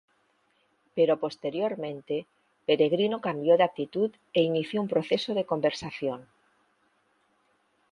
Pero posteriormente, Peregrino cambió de actitud e inició un proceso de conversión.